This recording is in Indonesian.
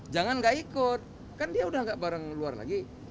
jangan nggak ikut kan dia udah gak bareng luar lagi